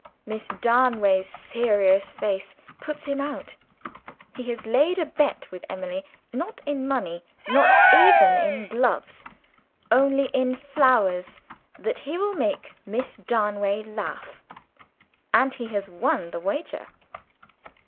Miss Darnaway's serious face puts him out; he has laid a bet with Emily not in money, not even in gloves, only in flowers that he will make Miss Darnaway laugh; and he has won the wager.